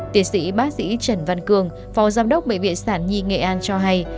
tiến sĩ bác sĩ trần văn cương phò giám đốc bệnh viện sản nhi nghệ an cho hay